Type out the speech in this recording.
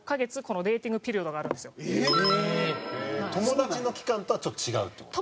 友達の期間とはちょっと違うって事？